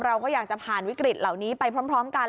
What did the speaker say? เราก็อยากจะผ่านวิกฤตเหล่านี้ไปพร้อมกัน